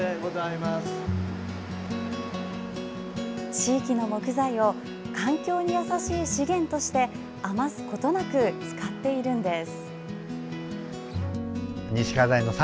地域の木材を環境に優しい資源として余すことなく使っているんです。